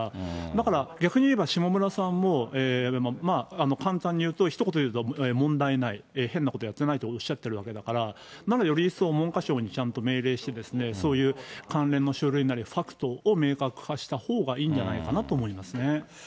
だから、逆に言えば、下村さんも、簡単に言うと、ひと言で言うと、問題ない、変なことやってないとおっしゃってるわけだから、ならより一層、文科省にちゃんと命令して、そういう関連の書類なりファクトを明確化したほうがいいんじゃないかなと思いますね。